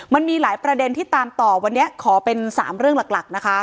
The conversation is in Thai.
มันมีหลายประเด็นที่ตามต่อวันนี้ขอเป็น๓เรื่องหลักนะคะ